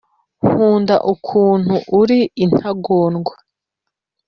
nkunda ukuntu uri intagondwa